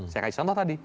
saya kasih contoh tadi